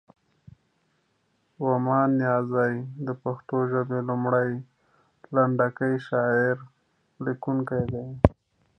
ومان نیازی د پښتو ژبې لومړی، لنډکی شعر لیکونکی دی.